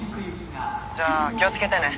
じゃあ気を付けてね。